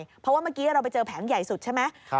เพราะว่าเมื่อกี้เราไปเจอแผงใหญ่สุดใช่ไหม